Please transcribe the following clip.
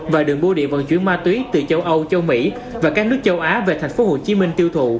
và đường bô điện vận chuyển ma túy từ châu âu châu mỹ và các nước châu á về thành phố hồ chí minh tiêu thụ